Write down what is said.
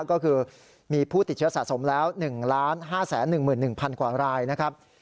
ก็คือมีผู้ติดเชื้อสะสมแล้ว๑๕๑๑๐๐๐กว่ารายนะครับ